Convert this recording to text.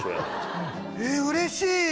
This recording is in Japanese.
えっうれしい！